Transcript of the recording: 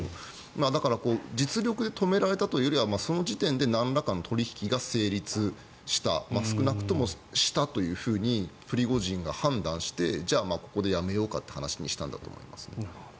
だから実力で止められたというよりはその時点でなんらかの取引が成立した少なくともしたというふうにプリゴジンが判断してじゃあ、ここでやめようかという話にしたんだと思います。